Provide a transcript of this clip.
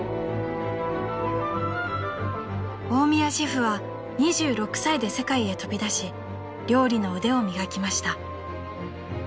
［大宮シェフは２６歳で世界へ飛び出し料理の腕を磨きました］